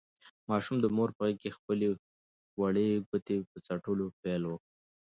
ماشوم د مور په غېږ کې د خپلې وړې ګوتې په څټلو پیل وکړ.